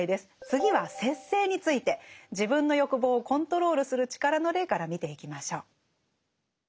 次は「節制」について自分の欲望をコントロールする力の例から見ていきましょう。